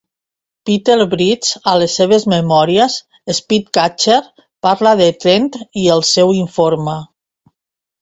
Peter Wright, a les seves memòries, "Spycatcher", parla de Trend i el seu informe.